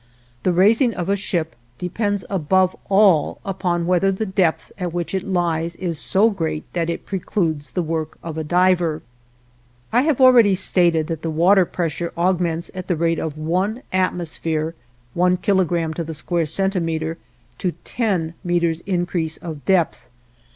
The raising of a ship depends above all upon whether the depth at which it lies is so great that it precludes the work of a diver. I have already stated that the water pressure augments at the rate of one atmosphere (one kilogram to the square centimeter) to ten meters' increase of depth.